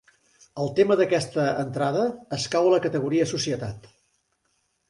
El tema d'aquesta entrada escau a la categoria Societat.